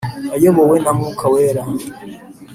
Ayobowe na Mwuka Wera